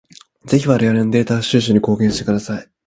ぜひ我々のデータ収集に貢献してください。